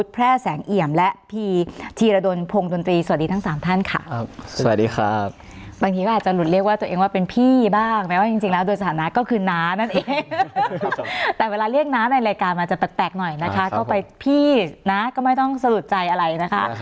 แต่เวลาเรียกน้าในรายการอาจจะแปลกหน่อยนะคะก็ไปพี่น้าก็ไม่ต้องสะหรับใจอะไรนะคะ